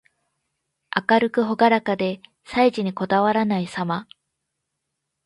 明るくほがらかで、細事にこだわらないさま。